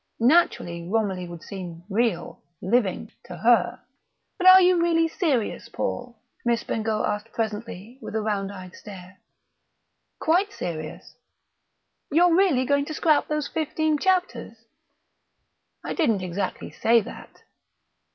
Naturally Romilly would seem "real," "living," to her.... "But are you really serious, Paul?" Miss Bengough asked presently, with a round eyed stare. "Quite serious." "You're really going to scrap those fifteen chapters?" "I didn't exactly say that."